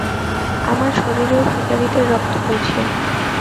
আমার শরীরেও শিকারীদের রক্ত বইছে।